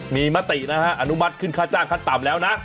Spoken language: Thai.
มีมตินะฮะอนุมัติขึ้นค่าจ้างขั้นต่ำแล้วนะ